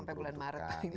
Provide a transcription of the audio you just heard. sampai bulan maret ini